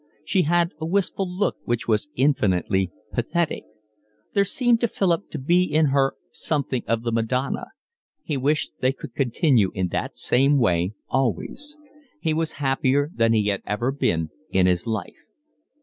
She had a wistful look which was infinitely pathetic. There seemed to Philip to be in her something of the Madonna. He wished they could continue in that same way always. He was happier than he had ever been in his life.